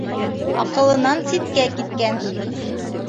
Аҡылынан ситкә киткән.